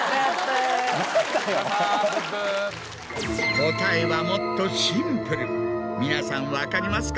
答えはもっとシンプル皆さん分かりますか？